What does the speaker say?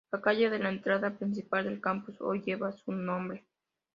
La calle de la entrada principal del Campus hoy lleva su nombre.